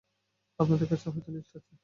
আপনাদের কাছে হয়ত লিস্ট আছে?